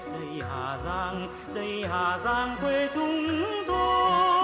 đây hà giang đây hà giang quê chúng tôi